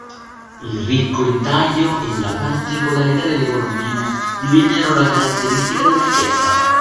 Il ricco intaglio e la particolarità delle colonnine, divennero la caratteristica della chiesa.